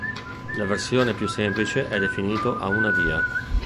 La versione più semplice è definito a una via.